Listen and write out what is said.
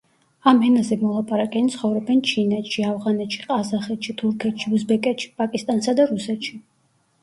ამ ენაზე მოლაპარაკენი ცხოვრობენ ჩინეთში, ავღანეთში, ყაზახეთში, თურქეთში, უზბეკეთში, პაკისტანსა და რუსეთში.